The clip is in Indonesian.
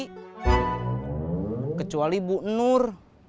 kecuali bu nur